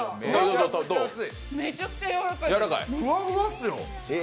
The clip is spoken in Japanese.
めちゃくちゃやわらかいです。